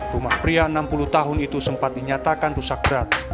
rumah pria enam puluh tahun itu sempat dinyatakan rusak berat